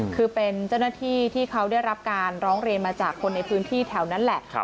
คือเป็นเจ้าหน้าที่ที่เขาได้รับการร้องเรียนมาจากคนในพื้นที่แถวนั้นแหละ